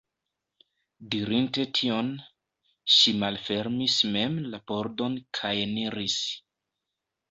Dirinte tion, ŝi malfermis mem la pordon kajeniris.